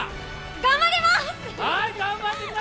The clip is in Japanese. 頑張ります！